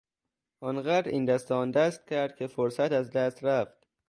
آنقدر این دست آن دست کرد که فرصت از دست رفت.